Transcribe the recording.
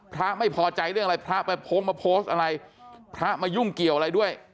พระไม่พอใจเรื่องอะไรพระไปโพสต์มาโพสต์อะไรพระมายุ่งเกี่ยวอะไรด้วย